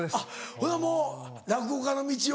ほなもう落語家の道を。